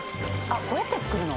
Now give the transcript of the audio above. こうやって作るの？